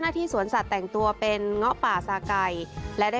ที่สวนสัตว์แต่งตัวเป็นเงาะป่าสาไก่และได้